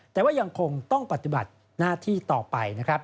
แต่ว่ายังคงต้องปฏิบัติหน้าที่ต่อไปนะครับ